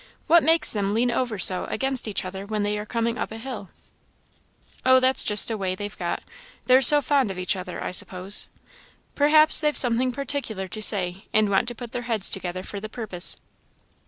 What makes them lean over so against each other when they are coming up hill?" "Oh, that's just a way they've got. They're so fond of each other, I suppose. Perhaps they've something particular to say, and want to put their heads together for the purpose."